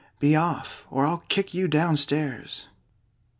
Be off, or I'll kick you down stairs!"